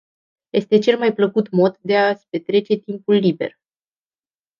Este cel mai plăcut mod de ați petrece timpul liber.